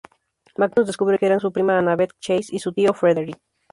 Magnus descubre que eran su prima Annabeth Chase y su tío Frederick.